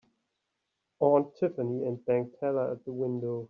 Aunt Tiffany and bank teller at the window.